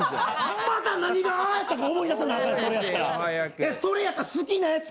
またなにが「ア」やったか思い出さなあかんやんか！